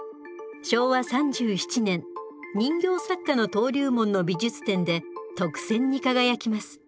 昭和３７年人形作家の登竜門の美術展で特選に輝きます。